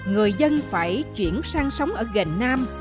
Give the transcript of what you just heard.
người dân phải chuyển sang sống ở gành nam